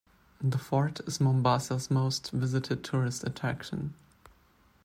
The fort is Mombasa's most visited tourist attraction.